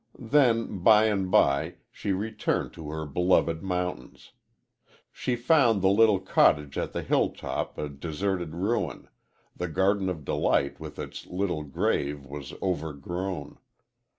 "Then, by and by, she returned to her beloved mountains. She found the little cottage at the hill top a deserted ruin, the Garden of Delight with its little grave was overgrown.